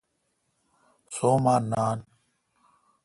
سو°اما نان۔